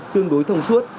tương đối thông suất